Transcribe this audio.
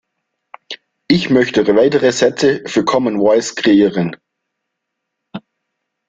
Ich möchte weitere Sätze für Common Voice kreieren.